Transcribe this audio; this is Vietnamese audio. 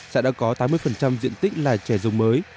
xã đã có tám mươi diện tích là trè rồng mới